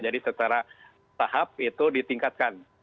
jadi secara tahap itu ditingkatkan